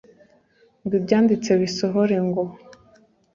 ngo ibyanditswe bisohore ngo